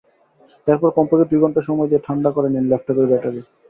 এরপর কমপক্ষে দুই ঘণ্টা সময় দিয়ে ঠান্ডা করে নিন ল্যাপটপের ব্যাটারি।